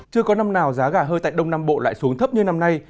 chưa có năm nào giá gà hơi tại đông nam bộ lại xuống thấp như năm nay